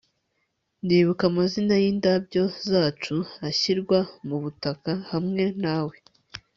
ndibuka amazina yindabyo zacu ashyirwa mubutaka hamwe nawe